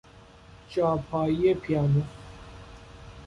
جاپایی پیانو